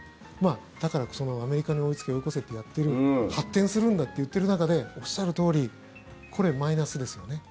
だから、アメリカに追いつけ追い越せってやっている発展するんだと言っている中でおっしゃるとおりこれ、マイナスですよね。